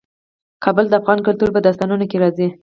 کابل د افغان کلتور په داستانونو کې راځي.